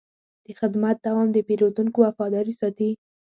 د خدمت دوام د پیرودونکو وفاداري ساتي.